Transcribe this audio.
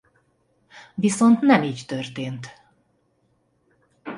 Viszont nem így történt.